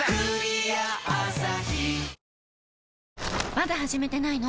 まだ始めてないの？